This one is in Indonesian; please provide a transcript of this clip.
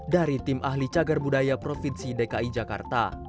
dari tim ahli cagar budaya provinsi dki jakarta